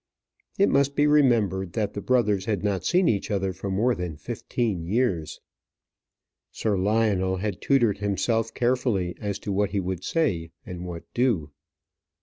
It must be remembered that the brothers had not seen each other for more than fifteen years. Sir Lionel had tutored himself carefully as to what he would say and what do.